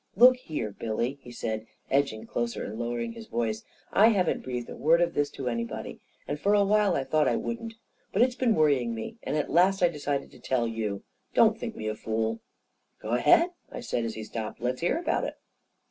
"Look here, Billy," he said, edging closer and lowering his voice, " I haven't breathed a word of A KING IN BABYLON 121 this to anybody, and for a while I thought I wouldn't, but it's been worrying me, and at last I decided to tell you. Don't think me a fool." " Go ahead," I said, as he stopped. " Let's hear about it."